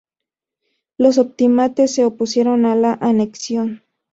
Los optimates se opusieron a la anexión.